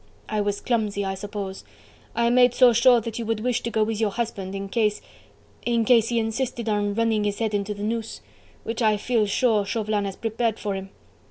I was clumsy, I suppose.... I made so sure that you would wish to go with your husband, in case... in case he insisted on running his head into the noose, which I feel sure Chauvelin has prepared for him....